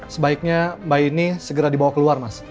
sebaiknya mbak ini segera dibawa keluar mas